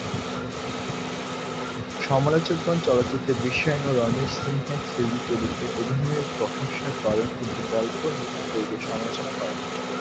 সমালোচকগণ চলচ্চিত্রের দৃশ্যায়ন ও রণবীর সিংয়ের খিলজি চরিত্রে অভিনয়ের প্রশংসা করেন, কিন্তু গল্প, নির্মাণ, দৈর্ঘ্যের সমালোচনা করেন।